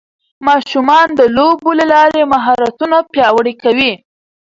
ماشومان د لوبو له لارې مهارتونه پیاوړي کوي